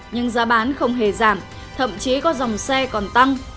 nhưng giá bán không hề giảm thậm chí có dòng xe còn tăng